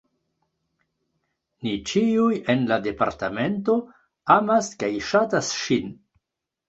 Ni ĉiuj en la Departemento amas kaj ŝatas ŝin.